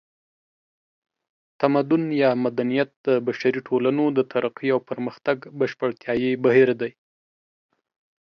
تمدن یا مدنیت د بشري ټولنو د ترقۍ او پرمختګ بشپړتیایي بهیر دی